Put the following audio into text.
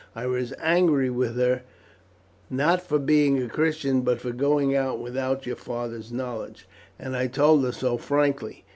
"I was angry with her not for being a Christian, but for going out without your father's knowledge, and I told her so frankly.